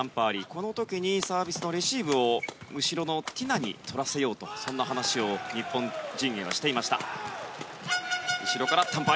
この時にサービスのレシーブを後ろのティナにとらせようという話を日本チームにはしていました。